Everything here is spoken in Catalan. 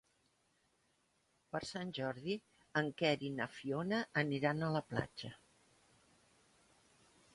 Per Sant Jordi en Quer i na Fiona aniran a la platja.